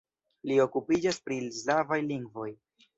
Li okupiĝas pri la slavaj lingvoj.